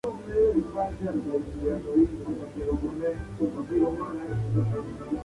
Un diputado resultó herido en una refriega con la policía.